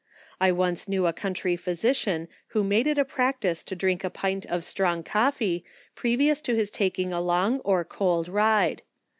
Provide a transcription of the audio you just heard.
I once knew a country physician who made it a practice to drink a pint of strong coffee previously to his taking a long or cold ride.